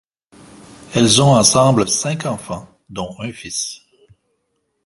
Ils ont ensemble cinq enfants dont un fils.